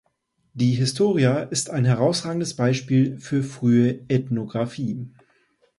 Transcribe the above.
Die "Historia" ist ein herausragendes Beispiel für frühe Ethnographie.